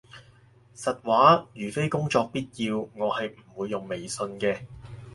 實話，如非工作必要，我係唔會用微信嘅